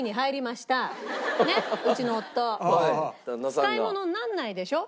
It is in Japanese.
使いものにならないでしょ？